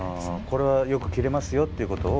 これはよく切れますよっていうことを。